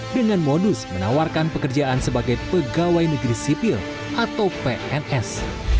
dengan modus menawarkan pekerjaan sebagai pegawai negeri sipil atau pns